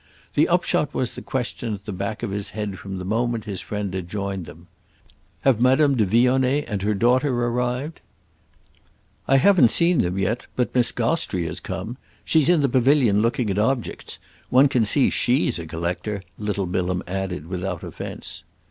The upshot was the question at the back of his head from the moment his friend had joined him. "Have Madame de Vionnet and her daughter arrived?" "I haven't seen them yet, but Miss Gostrey has come. She's in the pavilion looking at objects. One can see she's a collector," little Bilham added without offence.